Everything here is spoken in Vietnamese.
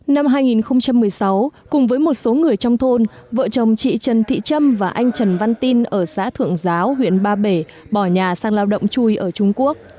năm hai nghìn một mươi sáu cùng với một số người trong thôn vợ chồng chị trần thị trâm và anh trần văn tin ở xã thượng giáo huyện ba bể bỏ nhà sang lao động chui ở trung quốc